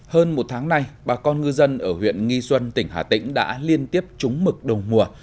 hơn một tháng nay bà con ngư dân ở huyện nghi xuân tỉnh hà tĩnh đã liên tiếp trúng mực đồng mùa